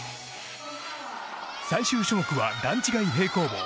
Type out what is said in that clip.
最終種目は、段違い平行棒。